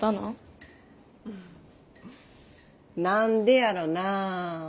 何でやろなあ？